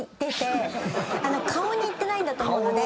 顔にいってないんだと思うので。